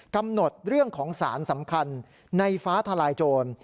กำหนดเรื่องของสารสำคัญในฟ้าทลายโจร